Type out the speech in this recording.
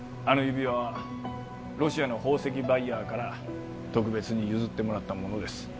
あの指輪はロシアの宝石バイヤーから特別に譲ってもらったものです